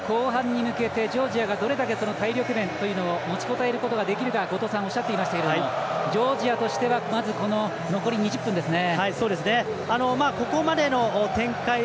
後半に向けてジョージアがどれだけ体力面を持ちこたえることができるか後藤さんおっしゃっていましたがジョージアとしては残り２０分ですね。